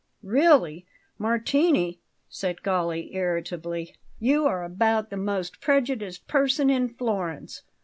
"Really, Martini," said Galli irritably, "you are about the most prejudiced person in Florence.